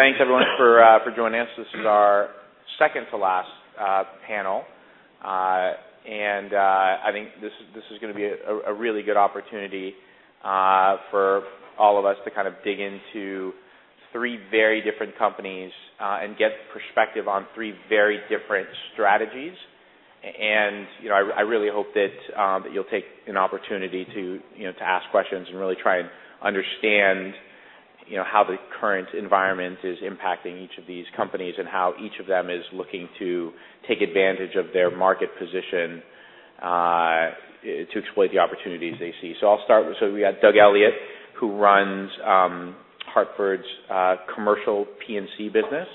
Thanks, everyone, for joining us. This is our second to last panel. I think this is going to be a really good opportunity for all of us to dig into three very different companies and get perspective on three very different strategies. I really hope that you'll take an opportunity to ask questions and really try and understand how the current environment is impacting each of these companies and how each of them is looking to take advantage of their market position to exploit the opportunities they see. I'll start. We've got Doug Elliot, who runs Hartford's commercial P&C business.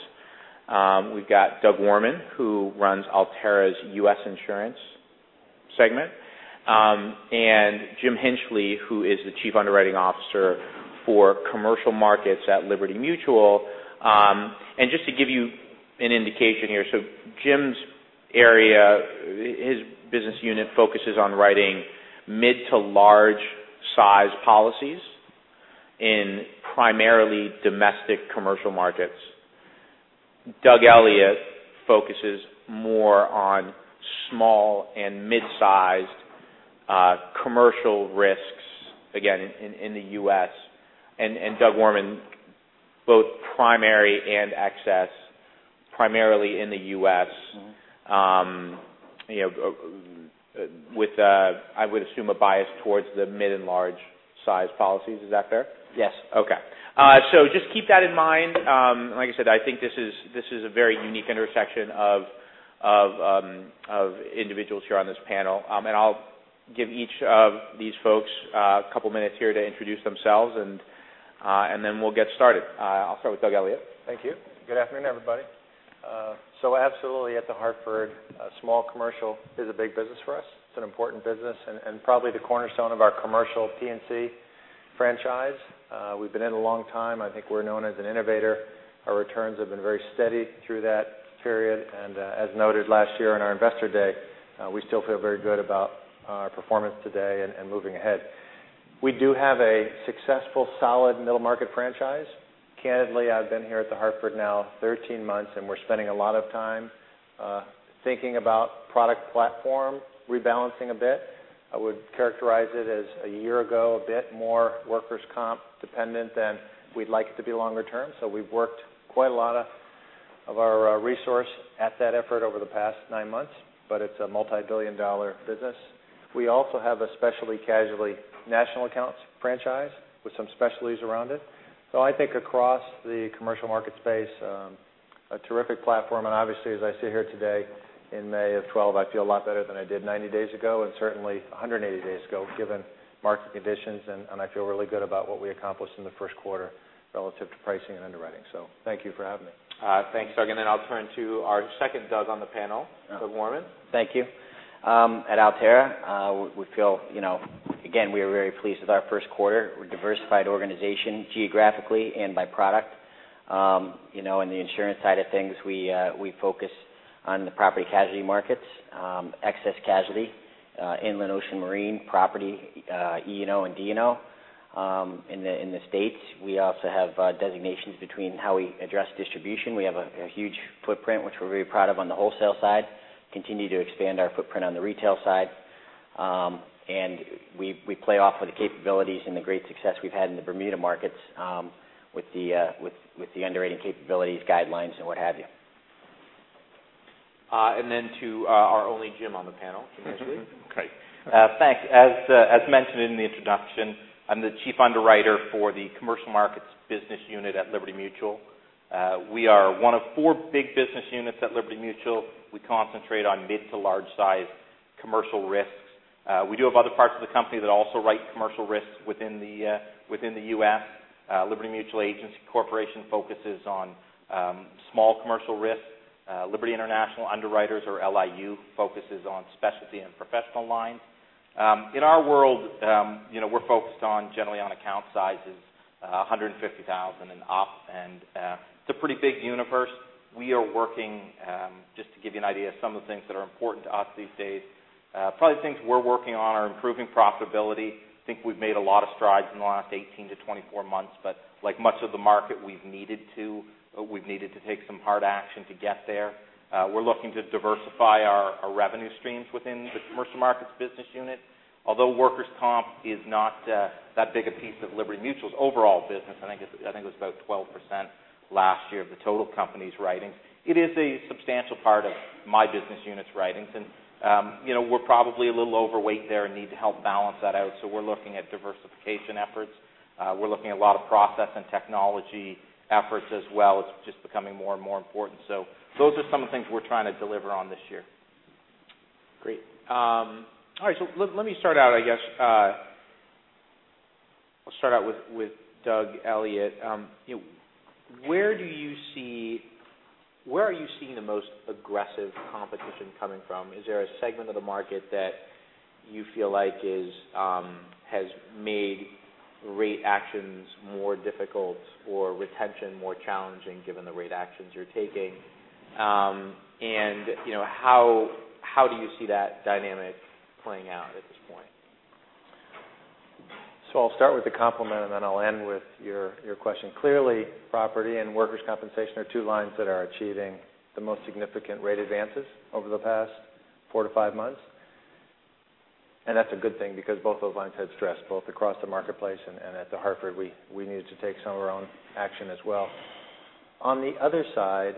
We've got Doug Worman, who runs Alterra's U.S. insurance segment. Jim Hinchley, who is the Chief Underwriting Officer for commercial markets at Liberty Mutual. Just to give you an indication here, Jim's area, his business unit focuses on writing mid to large size policies in primarily domestic commercial markets. Doug Elliot focuses more on small and mid-sized commercial risks, again, in the U.S. Doug Worman, both primary and excess, primarily in the U.S. With, I would assume, a bias towards the mid and large size policies. Is that fair? Yes. Okay. Just keep that in mind. Like I said, I think this is a very unique intersection of individuals here on this panel. I'll give each of these folks a couple of minutes here to introduce themselves, and then we'll get started. I'll start with Doug Elliot. Thank you. Good afternoon, everybody. Absolutely, at The Hartford, small commercial is a big business for us. It's an important business and probably the cornerstone of our commercial P&C franchise. We've been in it a long time. I think we're known as an innovator. Our returns have been very steady through that period. As noted last year on our investor day, we still feel very good about our performance today and moving ahead. We do have a successful, solid middle market franchise. Candidly, I've been here at The Hartford now 13 months, we're spending a lot of time thinking about product platform rebalancing a bit. I would characterize it as a year ago, a bit more workers' comp dependent than we'd like it to be longer term. We've worked quite a lot of our resource at that effort over the past nine months, it's a multi-billion dollar business. We also have a specialty casualty national accounts franchise with some specialties around it. I think across the commercial market space, a terrific platform. Obviously, as I sit here today in May of 2012, I feel a lot better than I did 90 days ago and certainly 180 days ago, given market conditions. I feel really good about what we accomplished in the first quarter relative to pricing and underwriting. Thank you for having me. Thanks, Doug. I'll turn to our second Doug on the panel, Doug Worman. Thank you. At Alterra, we feel, again, we are very pleased with our first quarter. We're a diversified organization geographically and by product. In the insurance side of things, we focus on the property casualty markets, excess casualty, inland ocean marine, property, E&O and D&O in the States. We also have designations between how we address distribution. We have a huge footprint, which we're very proud of on the wholesale side, continue to expand our footprint on the retail side. We play off of the capabilities and the great success we've had in the Bermuda markets with the underwriting capabilities, guidelines, and what have you. Then to our only Jim on the panel, James Hinchley. Okay. Thanks. As mentioned in the introduction, I'm the Chief Underwriter for the Commercial Markets business unit at Liberty Mutual. We are one of four big business units at Liberty Mutual. We concentrate on mid to large size commercial risks. We do have other parts of the company that also write commercial risks within the U.S. Liberty Mutual Agency Corporation focuses on small commercial risks. Liberty International Underwriters, or LIU, focuses on specialty and professional lines. In our world, we're focused generally on account sizes 150,000 and up, and it's a pretty big universe. Just to give you an idea of some of the things that are important to us these days. Probably the things we're working on are improving profitability. I think we've made a lot of strides in the last 18-24 months, like much of the market, we've needed to take some hard action to get there. We're looking to diversify our revenue streams within the Commercial Markets business unit. Although workers' comp is not that big a piece of Liberty Mutual's overall business, I think it was about 12% last year of the total company's writings. It is a substantial part of my business unit's writings, and we're probably a little overweight there and need to help balance that out. We're looking at diversification efforts. We're looking at a lot of process and technology efforts as well. It's just becoming more and more important. Those are some of the things we're trying to deliver on this year. Great. All right. Let me start out, I guess, with Doug Elliot. Where are you seeing the most aggressive competition coming from? Is there a segment of the market that you feel like has made rate actions more difficult or retention more challenging given the rate actions you're taking? How do you see that dynamic playing out at this point? I'll start with the compliment, I'll end with your question. Clearly, property and workers' compensation are two lines that are achieving the most significant rate advances over the past four to five months. That's a good thing because both those lines had stress, both across the marketplace and at The Hartford. We needed to take some of our own action as well. On the other side,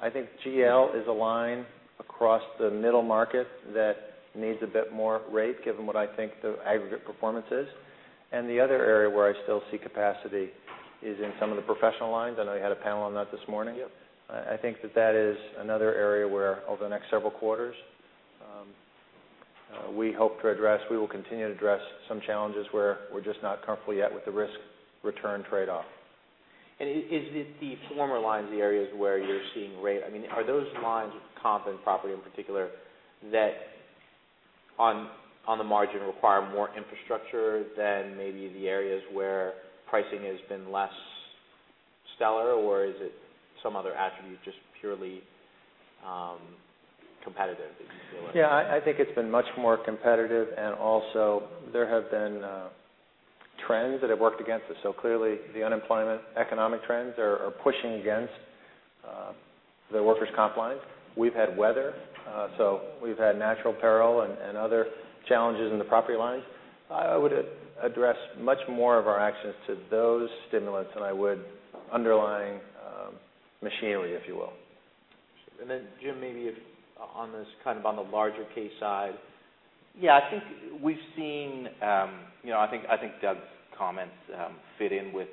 I think GL is a line across the middle market that needs a bit more rate, given what I think the aggregate performance is. The other area where I still see capacity is in some of the professional lines. I know you had a panel on that this morning. Yep. I think that that is another area where, over the next several quarters, we hope to address. We will continue to address some challenges where we're just not comfortable yet with the risk-return trade-off. Is it the former lines, the areas where you're seeing rate? Are those lines comp and property in particular, that on the margin require more infrastructure than maybe the areas where pricing has been less stellar? Or is it some other attribute, just purely competitive that you see there? Yeah. I think it's been much more competitive, also there have been trends that have worked against us. Clearly, the unemployment economic trends are pushing against the workers' comp line. We've had weather, we've had natural peril and other challenges in the property lines. I would address much more of our access to those stimulants than I would underlying machinery, if you will. Sure. Jim, maybe kind of on the larger case side. Yeah. I think Doug's comments fit in with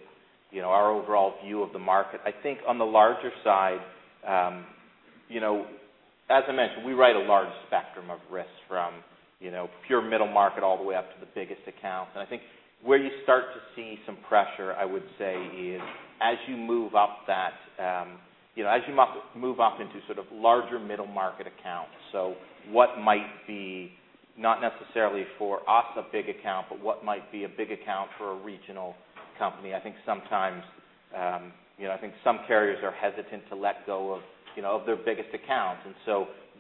our overall view of the market. I think on the larger side, as I mentioned, we write a large spectrum of risks from pure middle market all the way up to the biggest accounts. I think where you start to see some pressure, I would say, is as you move up into sort of larger middle market accounts. What might be not necessarily for us a big account, but what might be a big account for a regional company. I think some carriers are hesitant to let go of their biggest accounts.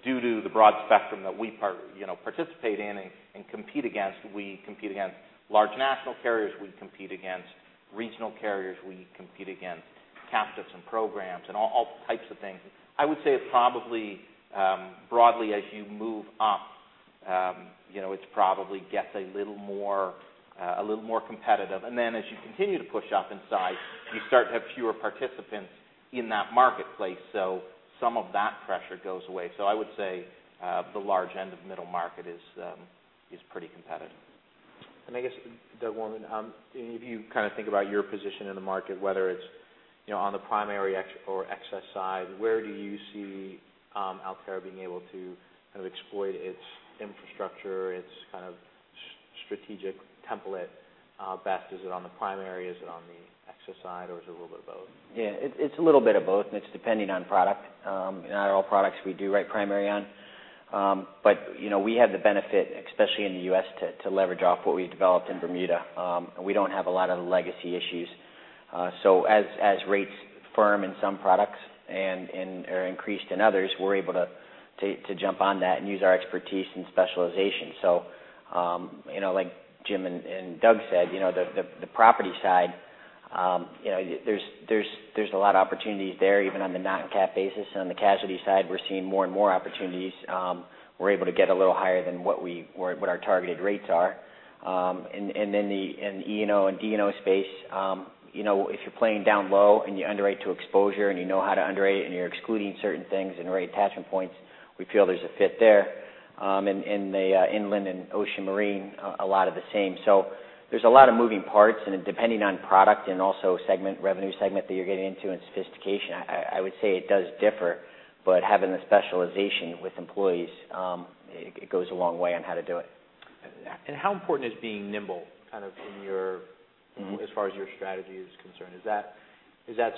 Due to the broad spectrum that we participate in and compete against, we compete against large national carriers, we compete against regional carriers, we compete against captives and programs, and all types of things. I would say probably, broadly as you move up, it probably gets a little more competitive. Then as you continue to push up in size, you start to have fewer participants in that marketplace. Some of that pressure goes away. I would say the large end of middle market is pretty competitive. I guess, Doug Worman, if you kind of think about your position in the market, whether it's on the primary or excess side, where do you see Alterra being able to kind of exploit its infrastructure, its kind of strategic template best? Is it on the primary? Is it on the excess side? Is it a little bit of both? Yeah. It's a little bit of both, it's depending on product. Not all products we do write primary on. We have the benefit, especially in the U.S., to leverage off what we've developed in Bermuda. We don't have a lot of the legacy issues. As rates firm in some products and are increased in others, we're able to jump on that and use our expertise and specialization. Like Jim and Doug said, the property side, there's a lot of opportunities there even on the non-CAT basis. On the casualty side, we're seeing more and more opportunities. We're able to get a little higher than what our targeted rates are. The E&O and D&O space, if you're playing down low and you underwrite to exposure and you know how to underwrite and you're excluding certain things and the right attachment points, we feel there's a fit there. In the inland and ocean marine, a lot of the same. There's a lot of moving parts, and then depending on product and also segment, revenue segment that you're getting into and sophistication, I would say it does differ. Having the specialization with employees, it goes a long way on how to do it. How important is being nimble as far as your strategy is concerned? Is that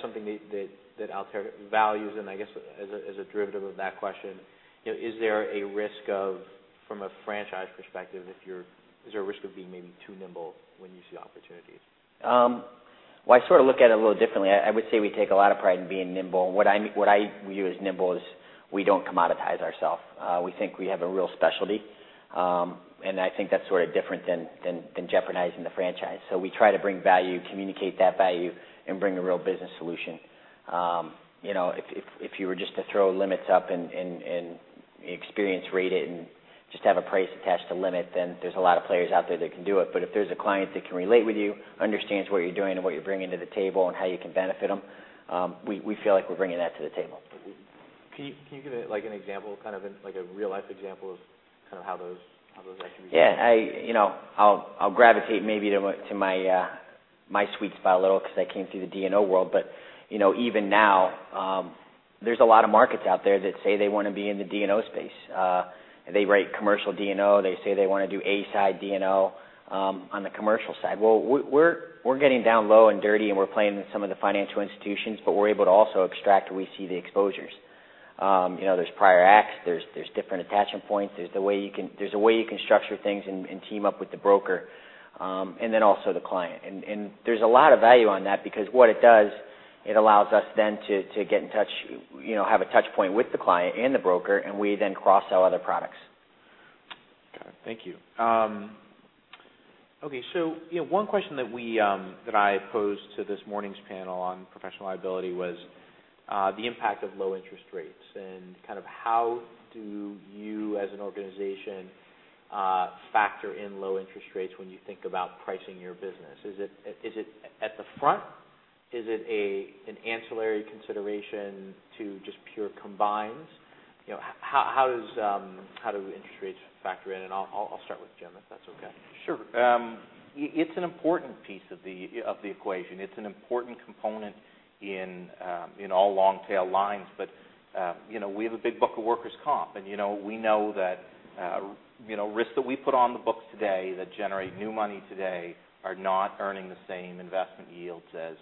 something that Alterra values? I guess as a derivative of that question, from a franchise perspective, is there a risk of being maybe too nimble when you see opportunities? Well, I sort of look at it a little differently. I would say we take a lot of pride in being nimble. What I view as nimble is we don't commoditize ourself. We think we have a real specialty. I think that's sort of different than jeopardizing the franchise. We try to bring value, communicate that value, and bring a real business solution. If you were just to throw limits up and experience rate it and just have a price attached to limit, there's a lot of players out there that can do it. If there's a client that can relate with you, understands what you're doing and what you're bringing to the table and how you can benefit them, we feel like we're bringing that to the table. Can you give an example, kind of like a real life example of kind of how those attributes? Yeah. I'll gravitate maybe to my sweet spot a little because I came through the D&O world. Even now, there's a lot of markets out there that say they want to be in the D&O space. They write commercial D&O. They say they want to do Side A D&O on the commercial side. We're getting down low and dirty, and we're playing with some of the financial institutions, but we're able to also extract where we see the exposures. There's prior acts, there's different attachment points. There's a way you can structure things and team up with the broker, and then also the client. There's a lot of value on that because what it does, it allows us then to get in touch, have a touchpoint with the client and the broker, and we then cross-sell other products. Got it. Thank you. One question that I posed to this morning's panel on professional liability was the impact of low interest rates and how do you as an organization factor in low interest rates when you think about pricing your business? Is it at the front? Is it an ancillary consideration to just pure combined ratio? How do interest rates factor in? I'll start with Jim, if that's okay. Sure. It's an important piece of the equation. It's an important component in all long-tail lines. We have a big book of workers' comp, and we know that risks that we put on the books today that generate new money today are not earning the same investment yields as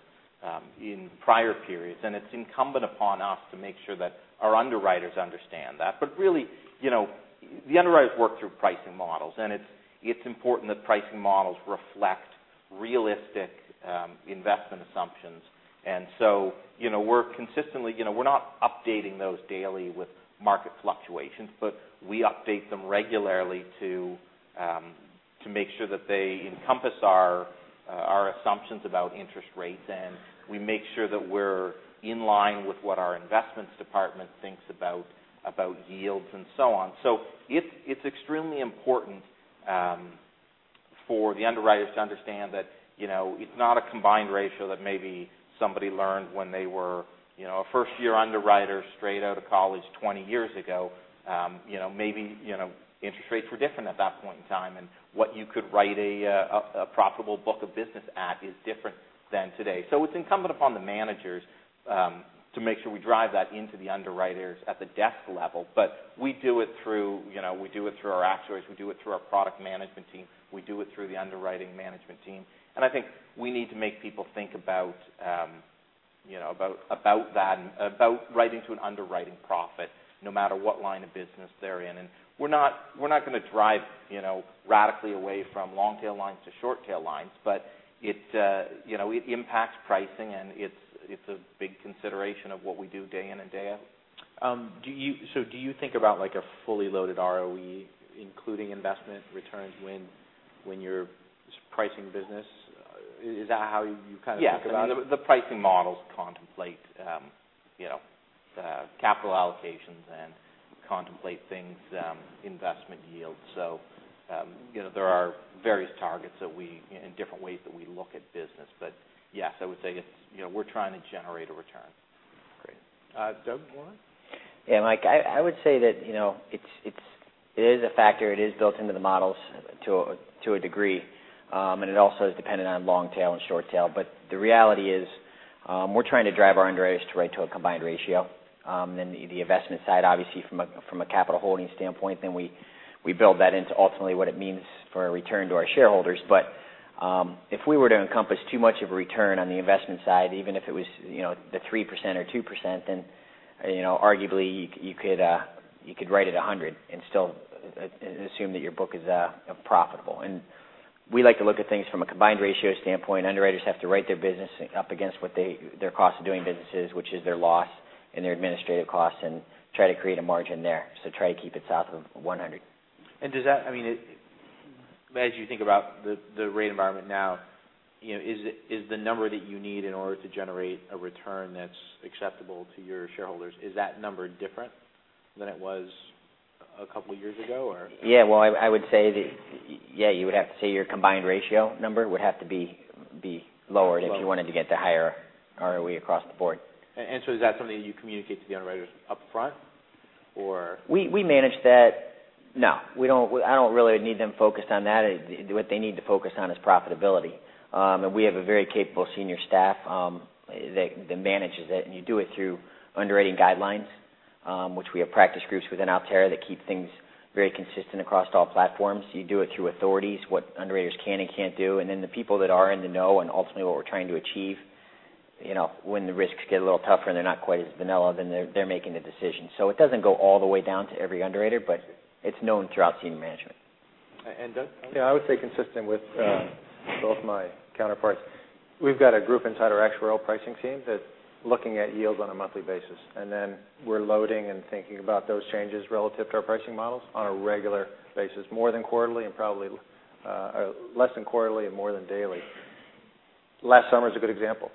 in prior periods. It's incumbent upon us to make sure that our underwriters understand that. Really, the underwriters work through pricing models, and it's important that pricing models reflect realistic investment assumptions. We're consistently, we're not updating those daily with market fluctuations, but we update them regularly to make sure that they encompass our assumptions about interest rates. We make sure that we're in line with what our investments department thinks about yields and so on. It's extremely important for the underwriters to understand that it's not a combined ratio that maybe somebody learned when they were a first-year underwriter straight out of college 20 years ago. Maybe interest rates were different at that point in time, and what you could write a profitable book of business at is different than today. It's incumbent upon the managers to make sure we drive that into the underwriters at the desk level. We do it through our actuaries. We do it through our product management team. We do it through the underwriting management team. I think we need to make people think about that and about writing to an underwriting profit no matter what line of business they're in. We're not going to drive radically away from long-tail lines to short-tail lines. It impacts pricing, and it's a big consideration of what we do day in and day out. Do you think about a fully loaded ROE, including investment returns when you're pricing business? Is that how you kind of think about it? Yes. I mean, the pricing models contemplate capital allocations and contemplate things, investment yields. There are various targets and different ways that we look at business. Yes, I would say we're trying to generate a return. Great. Doug, you want to? Yeah, Mike, I would say that it is a factor. It is built into the models to a degree. It also is dependent on long tail and short tail. The reality is, we're trying to drive our underwriters to write to a combined ratio. The investment side, obviously from a capital holding standpoint, then we build that into ultimately what it means for a return to our shareholders. If we were to encompass too much of a return on the investment side, even if it was the 3% or 2%, then arguably, you could write at 100 and still assume that your book is profitable. We like to look at things from a combined ratio standpoint. Underwriters have to write their business up against what their cost of doing business is, which is their loss and their administrative costs, and try to create a margin there. Try to keep it south of 100. Does that, as you think about the rate environment now, is the number that you need in order to generate a return that's acceptable to your shareholders, is that number different than it was a couple of years ago? Well, I would say that, you would have to say your combined ratio number would have to be lower- Lower if you wanted to get to higher ROE across the board. Is that something that you communicate to the underwriters up front or? We manage that. No. I don't really need them focused on that. What they need to focus on is profitability. We have a very capable senior staff that manages it. You do it through underwriting guidelines, which we have practice groups within Alterra that keep things very consistent across all platforms. You do it through authorities, what underwriters can and can't do. Then the people that are in the know and ultimately what we're trying to achieve, when the risks get a little tougher and they're not quite as vanilla, then they're making the decision. It doesn't go all the way down to every underwriter, but it's known throughout senior management. Doug? Yeah, I would say consistent with both my counterparts. We've got a group inside our actuarial pricing team that's looking at yields on a monthly basis, and then we're loading and thinking about those changes relative to our pricing models on a regular basis, less than quarterly and more than daily. Last summer is a good example.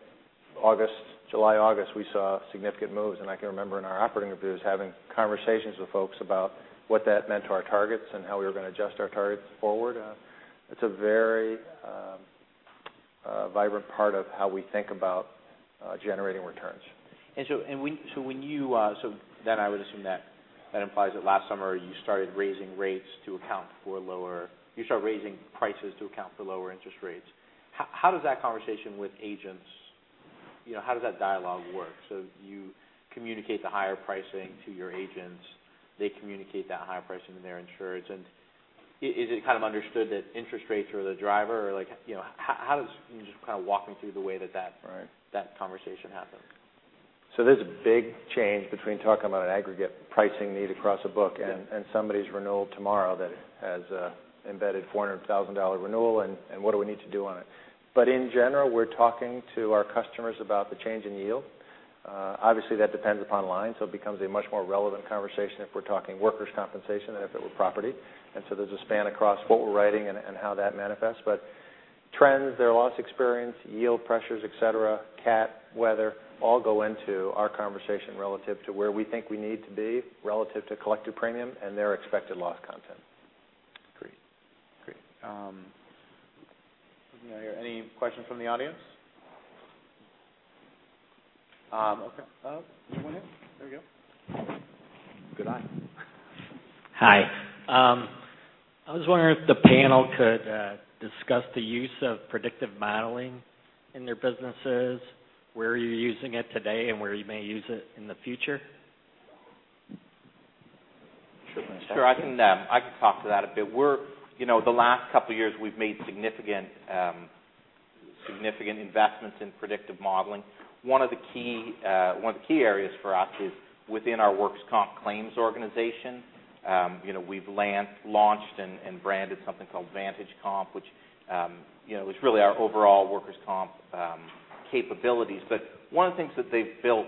July, August, we saw significant moves, and I can remember in our operating reviews having conversations with folks about what that meant to our targets and how we were going to adjust our targets forward. It's a very vibrant part of how we think about generating returns. I would assume that implies that last summer you started raising rates to account for lower interest rates. How does that conversation with agents, how does that dialogue work? You communicate the higher pricing to your agents, they communicate that higher pricing to their insureds. Is it kind of understood that interest rates are the driver? Can you just kind of walk me through the way that that- Right that conversation happens? There's a big change between talking about an aggregate pricing need across a book and somebody's renewal tomorrow that has an embedded $400,000 renewal, and what do we need to do on it. In general, we're talking to our customers about the change in yield. Obviously, that depends upon line, so it becomes a much more relevant conversation if we're talking workers' compensation than if it were property. There's a span across what we're writing and how that manifests. Trends, their loss experience, yield pressures, et cetera, CAT, weather, all go into our conversation relative to where we think we need to be relative to collective premium and their expected loss content. Great. Any questions from the audience? Okay. There's one here. There we go. Good eye. Hi. I was wondering if the panel could discuss the use of predictive modeling in your businesses, where you're using it today, and where you may use it in the future. Sure. Sure. I can talk to that a bit. The last couple of years, we've made significant investments in predictive modeling. One of the key areas for us is within our workers' comp claims organization. We've launched and branded something called Vantage Comp, which is really our overall workers' comp capabilities. One of the things that they've built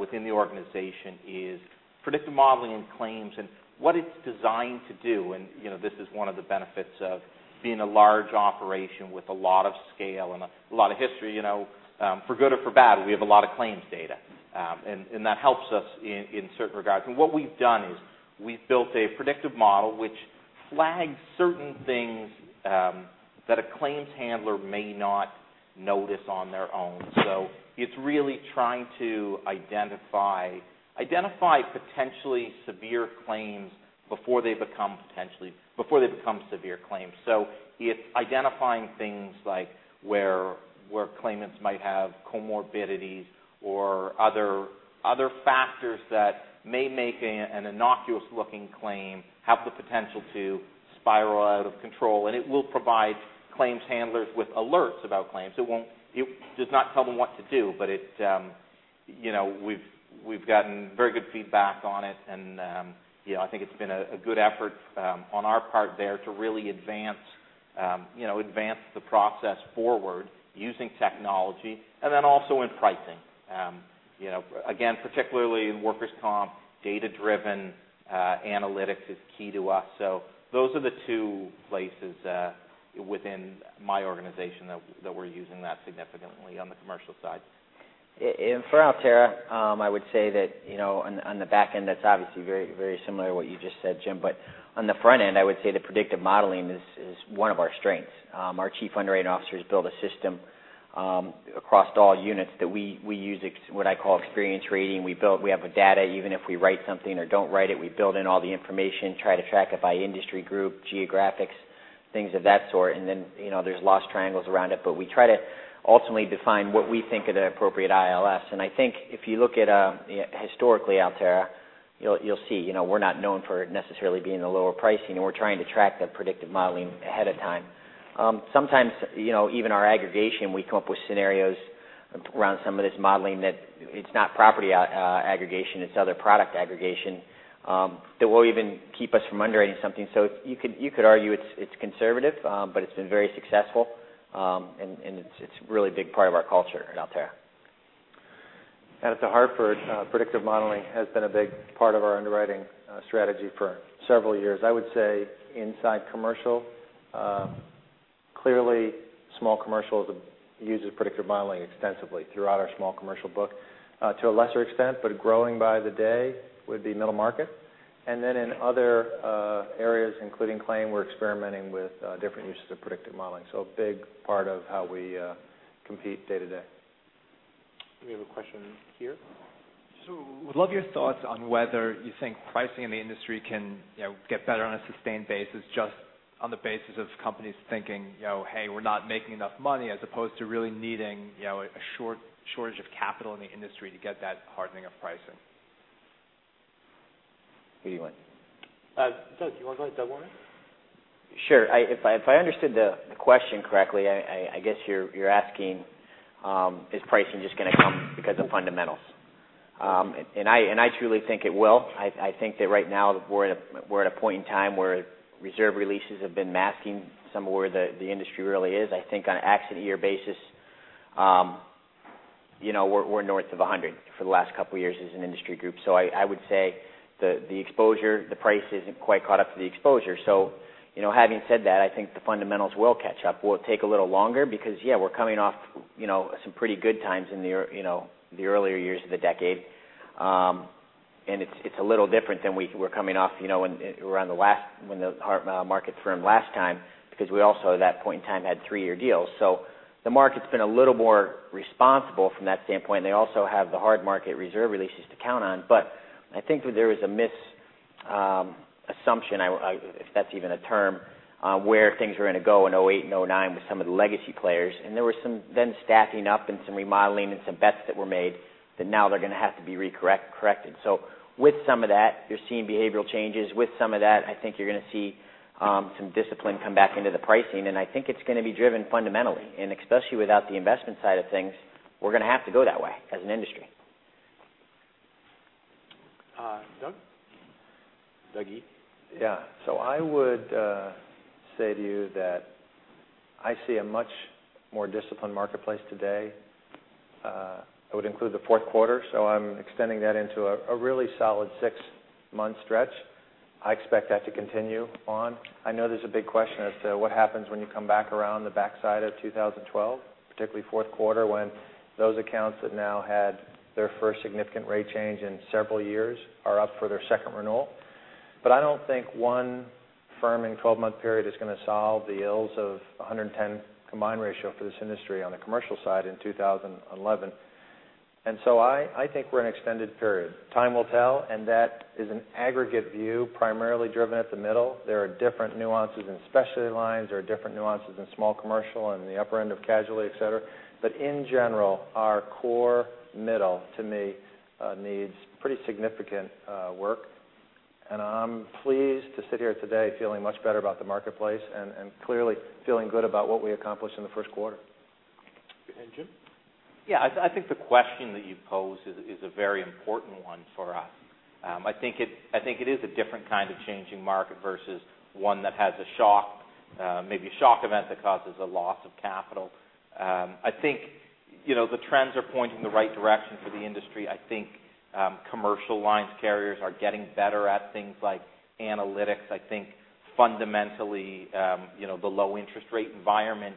within the organization is predictive modeling in claims and what it's designed to do, and this is one of the benefits of being a large operation with a lot of scale and a lot of history. For good or for bad, we have a lot of claims data, and that helps us in certain regards. What we've done is we've built a predictive model which flags certain things that a claims handler may not notice on their own. It's really trying to identify potentially severe claims before they become severe claims. It's identifying things like where claimants might have comorbidities or other factors that may make an innocuous-looking claim have the potential to spiral out of control. It will provide claims handlers with alerts about claims. It does not tell them what to do, but we've gotten very good feedback on it, and I think it's been a good effort on our part there to really advance the process forward using technology. Also in pricing. Again, particularly in workers' comp, data-driven analytics is key to us. Those are the two places within my organization that we're using that significantly on the commercial side. For Alterra, I would say that on the back end, that's obviously very similar to what you just said, Jim, but on the front end, I would say that predictive modeling is one of our strengths. Our chief underwriting officers build a system across all units that we use what I call experience rating. We have the data. Even if we write something or don't write it, we build in all the information, try to track it by industry group, geographics, things of that sort. There's loss triangles around it. We try to ultimately define what we think are the appropriate ILFs. I think if you look at historically Alterra, you'll see we're not known for necessarily being the lower pricing, and we're trying to track that predictive modeling ahead of time. Sometimes even our aggregation, we come up with scenarios around some of this modeling that it's not property aggregation, it's other product aggregation that will even keep us from underwriting something. You could argue it's conservative, but it's been very successful, and it's a really big part of our culture at Alterra. At The Hartford, predictive modeling has been a big part of our underwriting strategy for several years. I would say inside commercial, clearly small commercial uses predictive modeling extensively throughout our small commercial book. To a lesser extent, but growing by the day would be middle market. In other areas, including claim, we're experimenting with different uses of predictive modeling. A big part of how we compete day to day. We have a question here. Would love your thoughts on whether you think pricing in the industry can get better on a sustained basis just on the basis of companies thinking, "Hey, we're not making enough money," as opposed to really needing a shortage of capital in the industry to get that hardening of pricing. Who do you want? Doug, do you want to go ahead, Doug Worman? Sure. If I understood the question correctly, I guess you're asking is pricing just going to come because of fundamentals? I truly think it will. I think that right now we're at a point in time where reserve releases have been masking somewhere where the industry really is. I think on an accident year basis, we're north of 100 for the last couple of years as an industry group. I would say the price isn't quite caught up to the exposure. Having said that, I think the fundamentals will catch up. Will it take a little longer? Because, yeah, we're coming off some pretty good times in the earlier years of the decade. It's a little different than we were coming off when the market firmed last time because we also, at that point in time, had three-year deals. The market's been a little more responsible from that standpoint, and they also have the hard market reserve releases to count on. I think that there is a misassumption, if that's even a term, where things were going to go in 2008 and 2009 with some of the legacy players. There was some then staffing up and some remodeling and some bets that were made that now they're going to have to be corrected. With some of that, you're seeing behavioral changes. With some of that, I think you're going to see some discipline come back into the pricing, and I think it's going to be driven fundamentally. Especially without the investment side of things, we're going to have to go that way as an industry. Doug? Dougie? Yeah. I would say to you that I see a much more disciplined marketplace today. I would include the fourth quarter, so I'm extending that into a really solid six-month stretch. I expect that to continue on. I know there's a big question as to what happens when you come back around the backside of 2012, particularly fourth quarter, when those accounts that now had their first significant rate change in several years are up for their second renewal. I don't think one firm in a 12-month period is going to solve the ills of 110 combined ratio for this industry on the commercial side in 2011. I think we're an extended period. Time will tell, and that is an aggregate view, primarily driven at the middle. There are different nuances in specialty lines. There are different nuances in small commercial and the upper end of casualty, et cetera. In general, our core middle, to me, needs pretty significant work. I'm pleased to sit here today feeling much better about the marketplace and clearly feeling good about what we accomplished in the first quarter. Jim? I think the question that you pose is a very important one for us. I think it is a different kind of changing market versus one that has a shock, maybe a shock event that causes a loss of capital. I think the trends are pointing the right direction for the industry. I think commercial lines carriers are getting better at things like analytics. I think fundamentally the low interest rate environment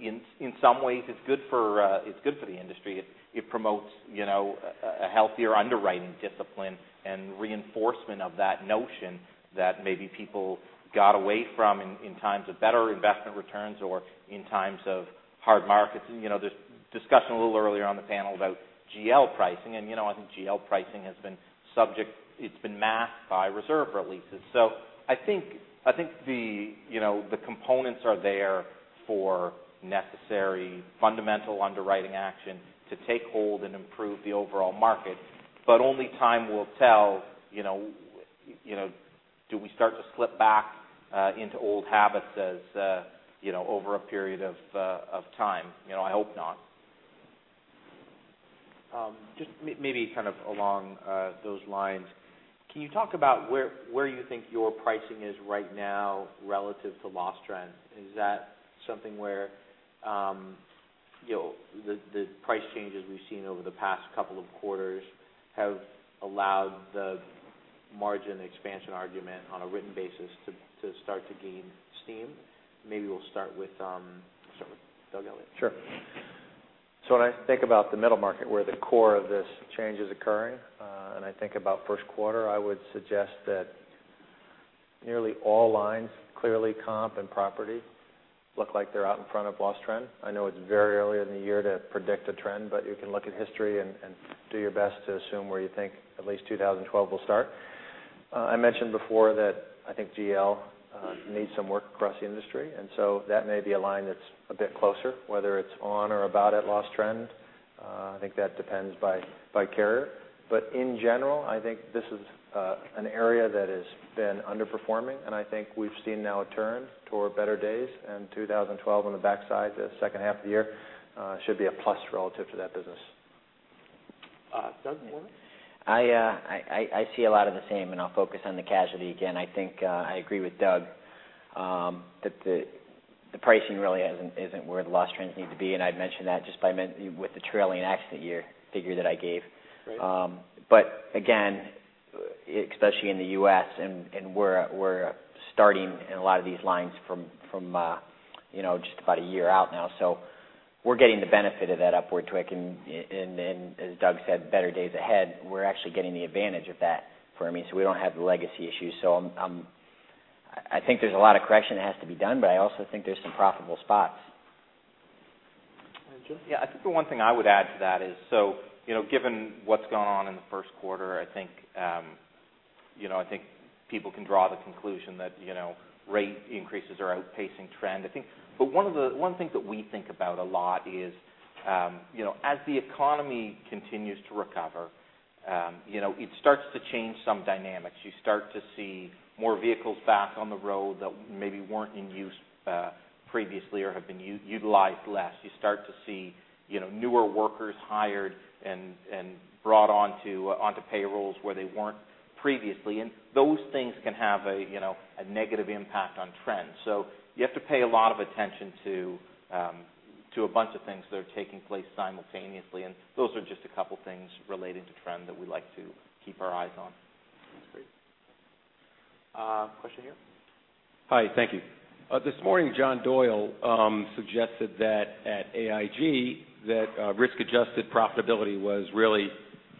in some ways is good for the industry. It promotes a healthier underwriting discipline and reinforcement of that notion that maybe people got away from in times of better investment returns or in times of hard markets. There's discussion a little earlier on the panel about GL pricing, and I think GL pricing has been masked by reserve releases. I think the components are there for necessary fundamental underwriting action to take hold and improve the overall market. Only time will tell, do we start to slip back into old habits as over a period of time. I hope not. Just maybe kind of along those lines, can you talk about where you think your pricing is right now relative to loss trends? Is that something where the price changes we've seen over the past couple of quarters have allowed the margin expansion argument on a written basis to start to gain steam? Maybe we'll start with Doug Elliot. When I think about the middle market where the core of this change is occurring and I think about first quarter, I would suggest that nearly all lines, clearly comp and property, look like they're out in front of loss trend. I know it's very early in the year to predict a trend, but you can look at history and do your best to assume where you think at least 2012 will start. I mentioned before that I think GL needs some work across the industry. That may be a line that's a bit closer, whether it's on or about at loss trend. I think that depends by carrier. In general, I think this is an area that has been underperforming, and I think we've seen now a turn toward better days. 2012 on the backside, the second half of the year, should be a plus relative to that business. Doug Worman? I see a lot of the same. I'll focus on the casualty again. I think I agree with Doug that the pricing really isn't where the loss trends need to be, and I'd mentioned that just with the trailing accident year figure that I gave. Right. Again, especially in the U.S., and we're starting in a lot of these lines from just about one year out now. We're getting the benefit of that upward tweak and as Doug said, better days ahead. We're actually getting the advantage of that for me. We don't have the legacy issues. I think there's a lot of correction that has to be done, but I also think there's some profitable spots. Jim? Yeah. I think the one thing I would add to that is given what's gone on in the first quarter, I think people can draw the conclusion that rate increases are outpacing trend. One of the things that we think about a lot is as the economy continues to recover, it starts to change some dynamics. You start to see more vehicles back on the road that maybe weren't in use previously or have been utilized less. You start to see newer workers hired and brought onto payrolls where they weren't previously, and those things can have a negative impact on trends. You have to pay a lot of attention to a bunch of things that are taking place simultaneously, and those are just a couple things relating to trend that we like to keep our eyes on. That's great. Question here. Hi. Thank you. This morning, John Doyle suggested that at AIG that risk-adjusted profitability was really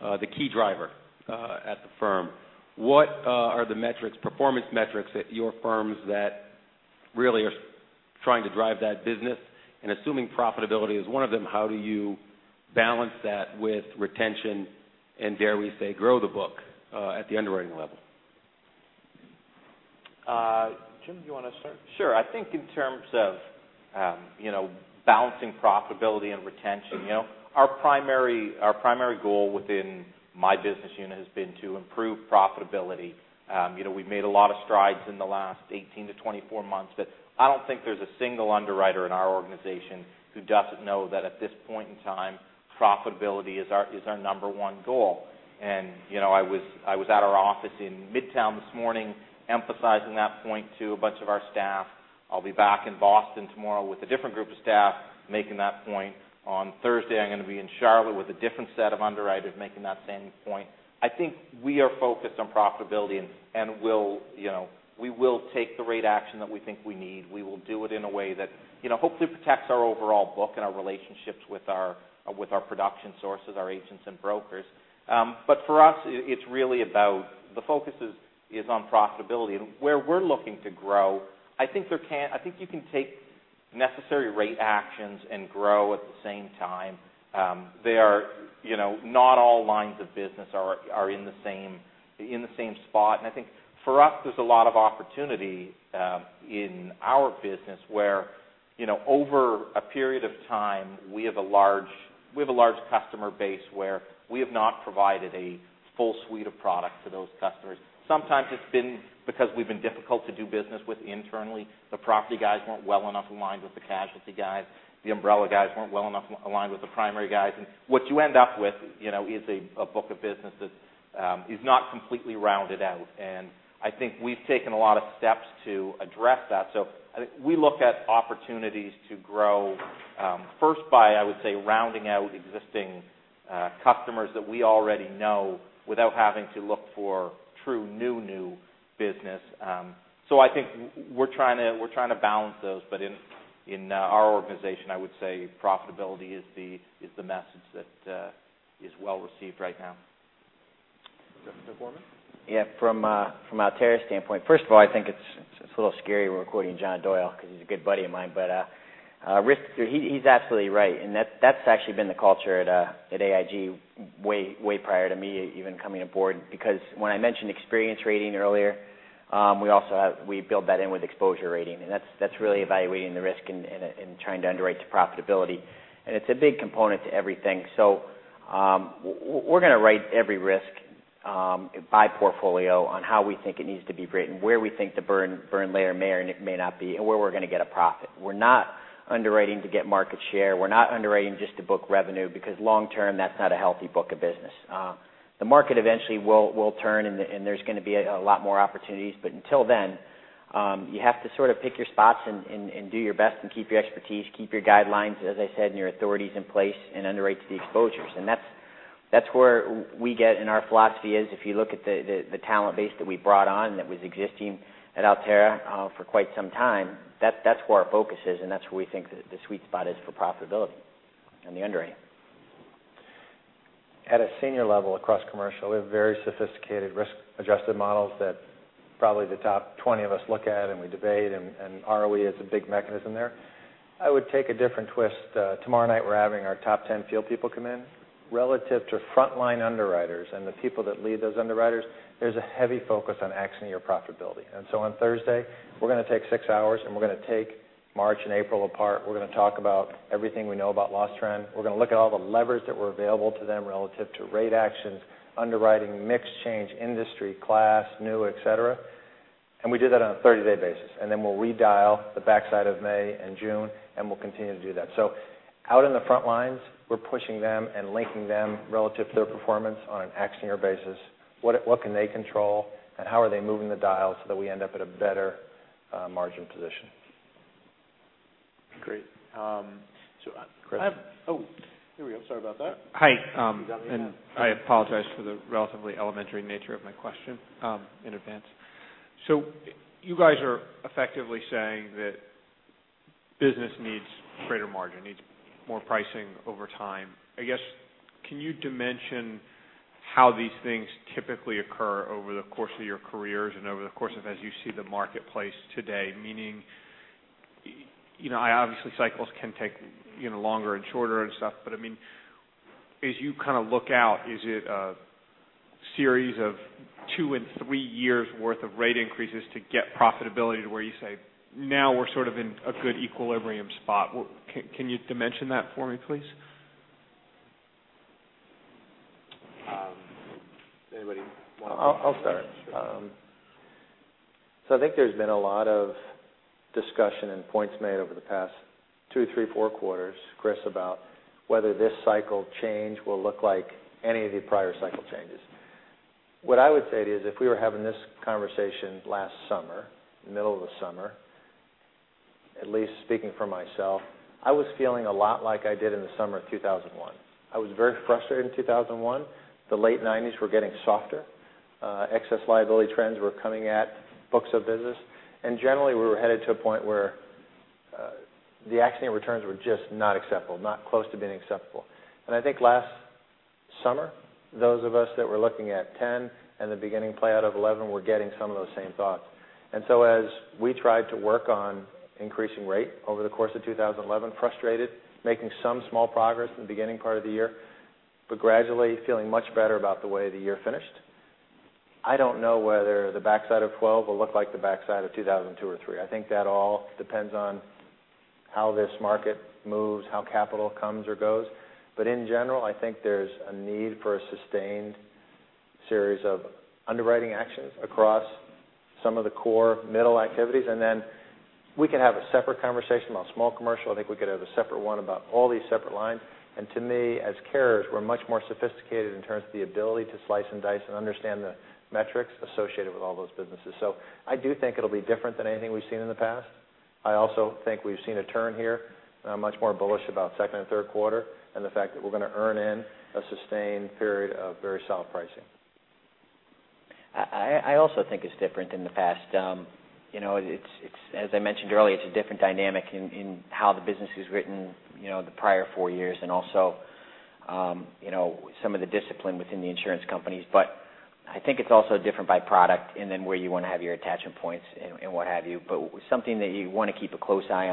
the key driver at the firm. What are the performance metrics at your firms that really are trying to drive that business? Assuming profitability is one of them, how do you balance that with retention and dare we say grow the book at the underwriting level? Jim, do you want to start? Sure. Balancing profitability and retention. Our primary goal within my business unit has been to improve profitability. We've made a lot of strides in the last 18 to 24 months, but I don't think there's a single underwriter in our organization who doesn't know that at this point in time, profitability is our number one goal. I was at our office in Midtown this morning emphasizing that point to a bunch of our staff. I'll be back in Boston tomorrow with a different group of staff making that point. On Thursday, I'm going to be in Charlotte with a different set of underwriters making that same point. I think we are focused on profitability. We will take the rate action that we think we need. We will do it in a way that hopefully protects our overall book and our relationships with our production sources, our agents and brokers. For us, it's really about the focus is on profitability and where we're looking to grow. I think you can take necessary rate actions and grow at the same time. Not all lines of business are in the same spot. I think for us, there's a lot of opportunity in our business where over a period of time, we have a large customer base where we have not provided a full suite of products to those customers. Sometimes it's been because we've been difficult to do business with internally. The property guys weren't well enough aligned with the casualty guys, the umbrella guys weren't well enough aligned with the primary guys. What you end up with is a book of business that is not completely rounded out. I think we've taken a lot of steps to address that. I think we look at opportunities to grow first by, I would say, rounding out existing customers that we already know without having to look for true new business. I think we're trying to balance those. In our organization, I would say profitability is the message that is well received right now. Mr. Worman? Yeah, from Alterra's standpoint, first of all, I think it's a little scary we're quoting John Doyle because he's a good buddy of mine. He's absolutely right, and that's actually been the culture at AIG way prior to me even coming aboard. When I mentioned experience rating earlier, we build that in with exposure rating, and that's really evaluating the risk and trying to underwrite to profitability. It's a big component to everything. We're going to write every risk by portfolio on how we think it needs to be written, where we think the burn layer may or may not be, and where we're going to get a profit. We're not underwriting to get market share. We're not underwriting just to book revenue because long term, that's not a healthy book of business. The market eventually will turn and there's going to be a lot more opportunities. Until then, you have to sort of pick your spots and do your best and keep your expertise, keep your guidelines, as I said, and your authorities in place and underwrite to the exposures. That's where we get and our philosophy is if you look at the talent base that we brought on that was existing at Alterra for quite some time, that's where our focus is and that's where we think the sweet spot is for profitability and the underwriting. At a senior level across commercial, we have very sophisticated risk-adjusted models that probably the top 20 of us look at and we debate, ROE is a big mechanism there. I would take a different twist. Tomorrow night we're having our top 10 field people come in. Relative to frontline underwriters and the people that lead those underwriters, there's a heavy focus on accident year profitability. On Thursday, we're going to take 6 hours and we're going to take March and April apart. We're going to talk about everything we know about loss trend. We're going to look at all the levers that were available to them relative to rate actions, underwriting, mix change, industry, class, new, et cetera. We do that on a 30-day basis. We'll redial the backside of May and June, and we'll continue to do that. Out in the front lines, we're pushing them and linking them relative to their performance on an accident year basis. What can they control, and how are they moving the dial so that we end up at a better margin position? Great. Chris. Oh, here we go. Sorry about that. Hi. You got me now. I apologize for the relatively elementary nature of my question in advance. You guys are effectively saying that business needs greater margin, needs more pricing over time. I guess, can you dimension how these things typically occur over the course of your careers and over the course of as you see the marketplace today? Meaning, obviously cycles can take longer and shorter and stuff, but as you kind of look out, is it a series of two and three years' worth of rate increases to get profitability to where you say, now we're sort of in a good equilibrium spot? Can you dimension that for me, please? Anybody want to take that? I'll start. I think there's been a lot of discussion and points made over the past 2, 3, 4 quarters, Chris, about whether this cycle change will look like any of the prior cycle changes. What I would say is if we were having this conversation last summer, middle of the summer, at least speaking for myself, I was feeling a lot like I did in the summer of 2001. I was very frustrated in 2001. The late '90s were getting softer. Excess liability trends were coming at books of business. Generally, we were headed to a point where the accident year returns were just not acceptable, not close to being acceptable. I think last summer, those of us that were looking at 2010 and the beginning play out of 2011 were getting some of those same thoughts. As we tried to work on increasing rate over the course of 2011, frustrated, making some small progress in the beginning part of the year, but gradually feeling much better about the way the year finished. I don't know whether the backside of 2012 will look like the backside of 2002 or 2003. I think that all depends on how this market moves, how capital comes or goes. In general, I think there's a need for a sustained series of underwriting actions across some of the core middle activities. Then we can have a separate conversation about small commercial. I think we could have a separate one about all these separate lines. To me, as carriers, we're much more sophisticated in terms of the ability to slice and dice and understand the metrics associated with all those businesses. I do think it'll be different than anything we've seen in the past. I also think we've seen a turn here. I'm much more bullish about second and third quarter, and the fact that we're going to earn in a sustained period of very solid pricing. I also think it's different than the past. As I mentioned earlier, it's a different dynamic in how the business was written the prior four years and also some of the discipline within the insurance companies. I think it's also different by product and then where you want to have your attachment points and what have you. Something that you want to keep a close eye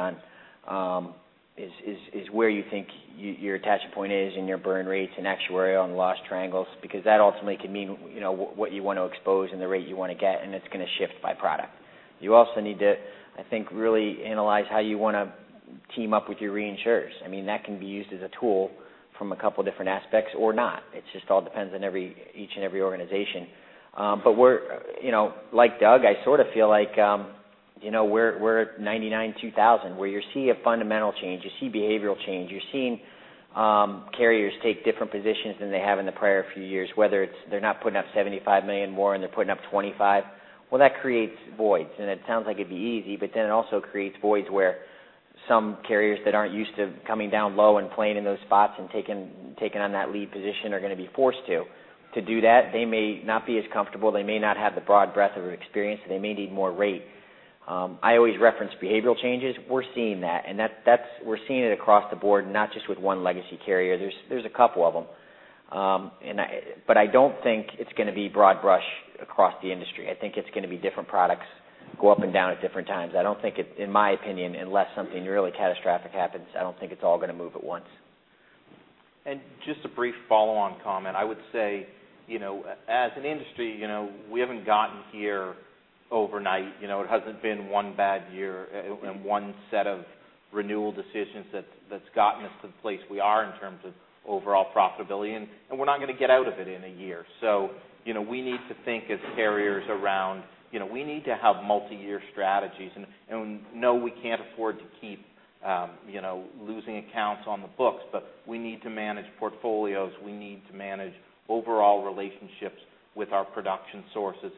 on is where you think your attachment point is, and your burn rates, and actuarial, and loss triangles, because that ultimately can mean what you want to expose and the rate you want to get, and it's going to shift by product. You also need to, I think, really analyze how you want to team up with your reinsurers. That can be used as a tool from a couple different aspects or not. It just all depends on each and every organization. Like Doug, I sort of feel like we're at 1999, 2000, where you're seeing a fundamental change. You're seeing behavioral change. You're seeing carriers take different positions than they have in the prior few years, whether it's they're not putting up $75 million more and they're putting up $25. That creates voids, and it sounds like it'd be easy. It also creates voids where some carriers that aren't used to coming down low and playing in those spots and taking on that lead position are going to be forced to. To do that, they may not be as comfortable. They may not have the broad breadth of experience, so they may need more rate. I always reference behavioral changes. We're seeing that, and we're seeing it across the board, not just with one legacy carrier. There's a couple of them. I don't think it's going to be broad-brush across the industry. I think it's going to be different products go up and down at different times. In my opinion, unless something really catastrophic happens, I don't think it's all going to move at once. Just a brief follow-on comment. I would say, as an industry, we haven't gotten here overnight. It hasn't been one bad year and one set of renewal decisions that's gotten us to the place we are in terms of overall profitability, and we're not going to get out of it in a year. We need to think as carriers around we need to have multi-year strategies, and know we can't afford to keep losing accounts on the books. We need to manage portfolios. We need to manage overall relationships with our production sources.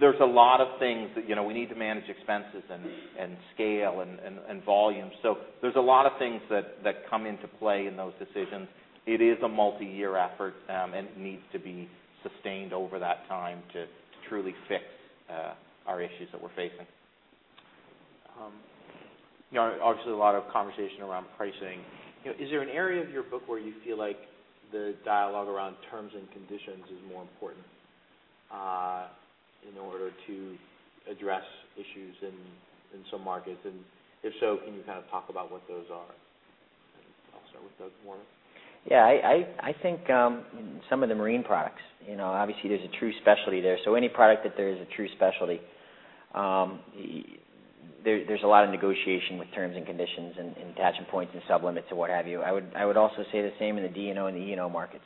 There's a lot of things. We need to manage expenses and scale and volume. There's a lot of things that come into play in those decisions. It is a multi-year effort, and it needs to be sustained over that time to truly fix our issues that we're facing. Obviously, a lot of conversation around pricing. Is there an area of your book where you feel like the dialogue around terms and conditions is more important in order to address issues in some markets? If so, can you kind of talk about what those are? I'll start with Doug Worman. I think some of the marine products. Obviously there's a true specialty there. Any product that there is a true specialty, there's a lot of negotiation with terms and conditions and attachment points and sublimits and what have you. I would also say the same in the D&O and the E&O markets.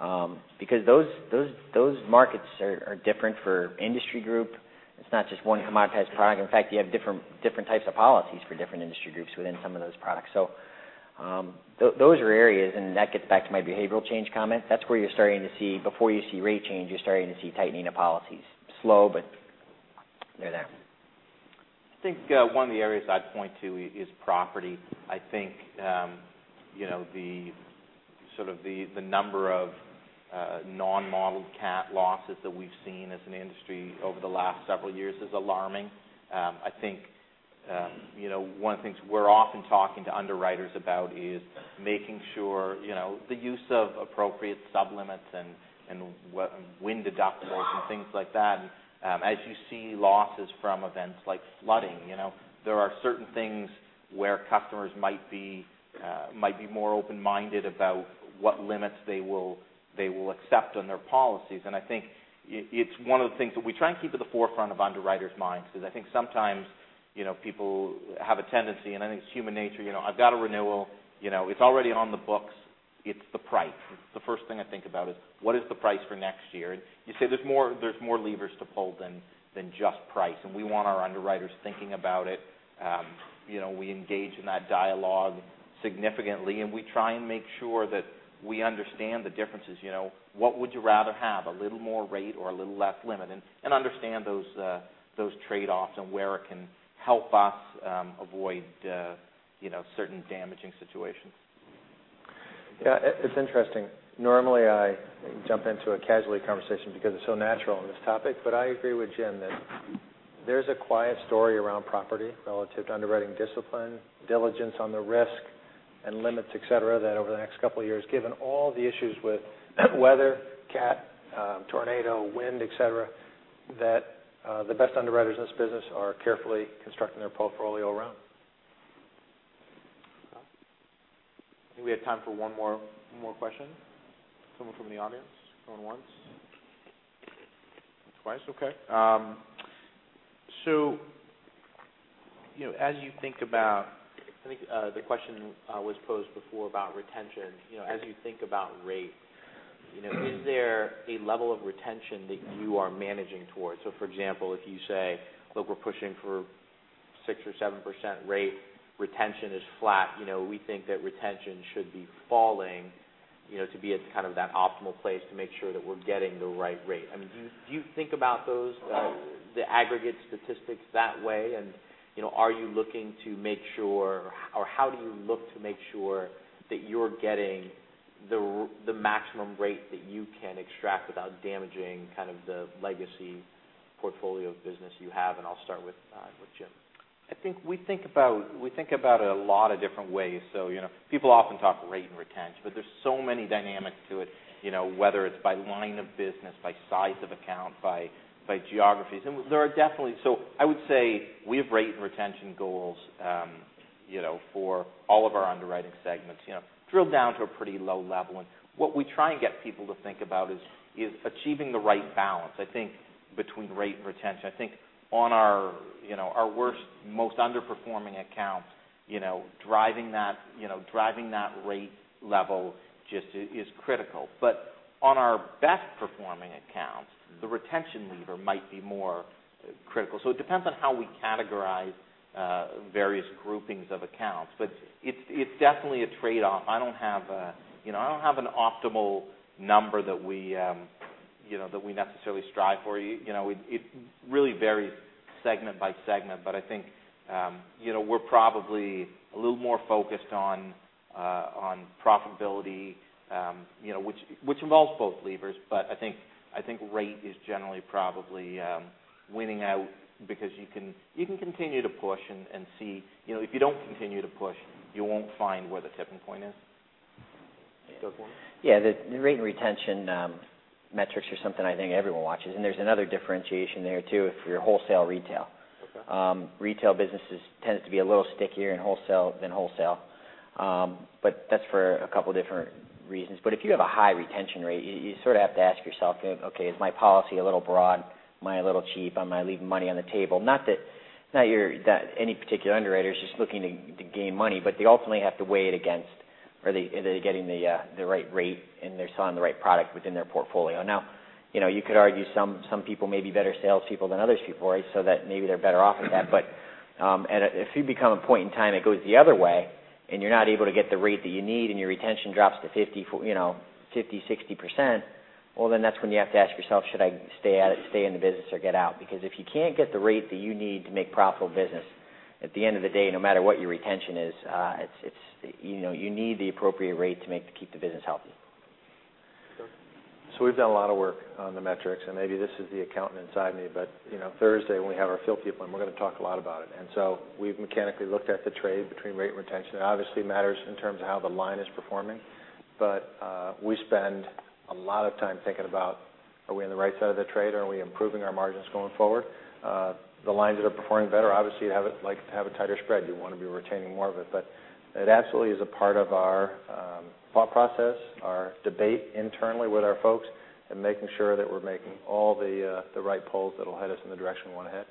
Those markets are different for industry group. It's not just one commoditized product. In fact, you have different types of policies for different industry groups within some of those products. Those are areas, and that gets back to my behavioral change comment. That's where before you see rate change, you're starting to see tightening of policies. Slow, but they're there. I think one of the areas I'd point to is property. I think the number of non-modeled CAT losses that we've seen as an industry over the last several years is alarming. I think one of the things we're often talking to underwriters about is making sure the use of appropriate sublimits and wind deductibles and things like that. As you see losses from events like flooding, there are certain things where customers might be more open-minded about what limits they will accept on their policies. I think it's one of the things that we try and keep at the forefront of underwriters' minds, because I think sometimes people have a tendency, and I think it's human nature. I've got a renewal. It's already on the books. It's the price. The first thing I think about is what is the price for next year? You see, there's more levers to pull than just price, we want our underwriters thinking about it. We engage in that dialogue significantly, we try and make sure that we understand the differences. What would you rather have, a little more rate or a little less limit? Understand those trade-offs and where it can help us avoid certain damaging situations. Yeah, it's interesting. Normally, I jump into a casualty conversation because it's so natural on this topic. I agree with Jim that there's a quiet story around property relative to underwriting discipline, diligence on the risk and limits, et cetera, that over the next couple of years, given all the issues with weather, CAT, tornado, wind, et cetera, that the best underwriters in this business are carefully constructing their portfolio around. I think we have time for one more question. Someone from the audience. No one wants? Twice. Okay. I think the question was posed before about retention. As you think about rate, is there a level of retention that you are managing towards? For example, if you say, "Look, we're pushing for 6% or 7% rate, retention is flat. We think that retention should be falling to be at that optimal place to make sure that we're getting the right rate." I mean, do you think about the aggregate statistics that way? Are you looking to make sure or how do you look to make sure that you're getting the maximum rate that you can extract without damaging the legacy portfolio business you have? I'll start with Jim. We think about it a lot of different ways. People often talk rate and retention, but there's so many dynamics to it, whether it's by line of business, by size of account, by geographies. I would say we have rate and retention goals for all of our underwriting segments drilled down to a pretty low level. What we try and get people to think about is achieving the right balance, I think between rate and retention. I think on our worst, most underperforming accounts, driving that rate level just is critical. On our best performing accounts, the retention lever might be more critical. It depends on how we categorize various groupings of accounts, but it's definitely a trade-off. I don't have an optimal number that we necessarily strive for. It really varies segment by segment. I think we're probably a little more focused on profitability which involves both levers. I think rate is generally probably winning out because you can continue to push and see. If you don't continue to push, you won't find where the tipping point is. Go for it. Yeah. The rate and retention metrics are something I think everyone watches. There's another differentiation there, too, if you're wholesale, retail. Okay. Retail businesses tend to be a little stickier than wholesale, but that's for a couple different reasons. If you have a high retention rate, you sort of have to ask yourself, "Okay, is my policy a little broad? Am I a little cheap? Am I leaving money on the table?" Not that any particular underwriter is just looking to gain money, but they ultimately have to weigh it against are they getting the right rate and they're selling the right product within their portfolio. Now, you could argue some people may be better salespeople than other people, right? That maybe they're better off at that. If you become a point in time it goes the other way and you're not able to get the rate that you need and your retention drops to 50%, 60%, well, then that's when you have to ask yourself, "Should I stay in the business or get out?" Because if you can't get the rate that you need to make profitable business, at the end of the day, no matter what your retention is, you need the appropriate rate to keep the business healthy. Go for it. We've done a lot of work on the metrics, and maybe this is the accountant inside me, but Thursday when we have our field people, and we're going to talk a lot about it. We've mechanically looked at the trade between rate and retention. It obviously matters in terms of how the line is performing. We spend a lot of time thinking about are we on the right side of the trade? Are we improving our margins going forward? The lines that are performing better, obviously, you'd like to have a tighter spread. You want to be retaining more of it. It absolutely is a part of our thought process, our debate internally with our folks, and making sure that we're making all the right pulls that'll head us in the direction we want to head.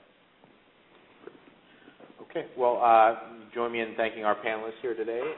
Okay. Well, join me in thanking our panelists here today.